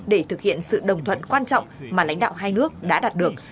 để thực hiện sự đồng thuận quan trọng mà lãnh đạo hai nước đã đạt được